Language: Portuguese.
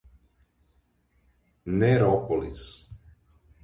Nerópolis